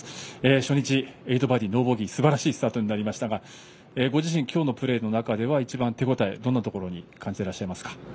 初日、８バーディーノーボギーですばらしいスタートになりましたがご自身、今日のプレーの中では一番、手応えはどんなところに感じていらっしゃいますか？